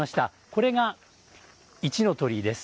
これが一の鳥居です。